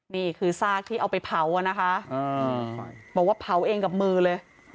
นี่คือซากที่เอาไปเผาอ่ะนะคะบอกว่าเผาเองกับมือเลย